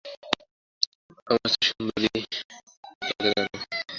যে আমার চেয়ে সুন্দরী, তাকে আমার ভালো লাগে না।